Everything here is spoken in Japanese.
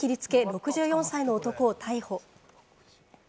６４歳の男を逮捕。